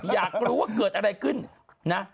อยากรู้ว่าเกิดอะไรขึ้นนะ